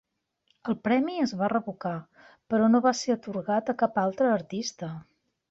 El premi es va revocar, però no va ser atorgat a cap altre artista.